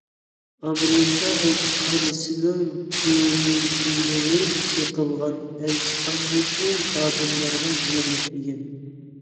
ئامېرىكا ئەلچىخانىسىنىڭ دېرىزىلىرى چېقىلغان، ئەلچىخانىدىكى خادىملارغا زىيان يەتمىگەن.